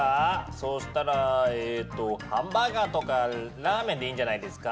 そうしたらえとハンバーガーとかラーメンでいいんじゃないですか？